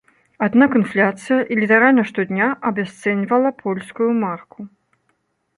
Аднак інфляцыя літаральна штодня абясцэньвала польскую марку.